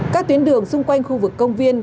các tuyến đường xung quanh khu vực công viên